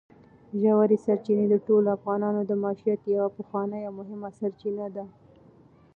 ژورې سرچینې د ټولو افغانانو د معیشت یوه پخوانۍ او مهمه سرچینه ده.